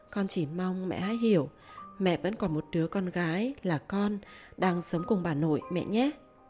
con chỉ mong mẹ hái hiểu mẹ vẫn còn một đứa con gái là con đang sống cùng bà nội mẹ nhé